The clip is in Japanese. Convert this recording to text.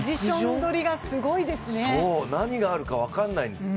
何があるか分からないんです。